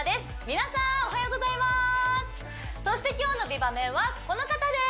皆さんおはようございますそして今日の美バメンはこの方です